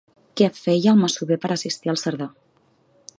Què feia el masover per assistir el Cerdà?